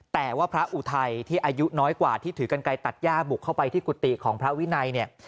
แต่ว่าพระอุทัยที่อายุน้อยกว่าที่ถือกันไกลตัดย่าบุกเข้าไปที่กุฏิของพระวินัยเนี่ย